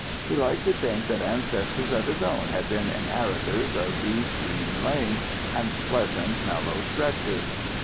He liked to think that ancestors of his own had been inheritors of these green lanes, and pleasant mellow stretches.